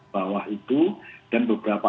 bawah itu dan beberapa